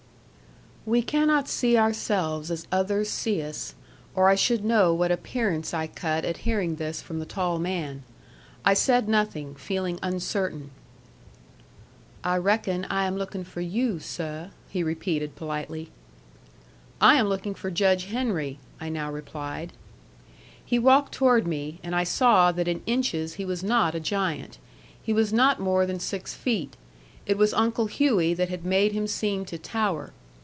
We cannot see ourselves as others see us, or I should know what appearance I cut at hearing this from the tall man. I said nothing, feeling uncertain. "I reckon I am looking for you, seh," he repeated politely. "I am looking for Judge Henry," I now replied. He walked toward me, and I saw that in inches he was not a giant. He was not more than six feet. It was Uncle Hughey that had made him seem to tower.